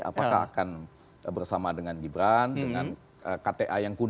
apakah akan bersama dengan gibran dengan kta yang kuda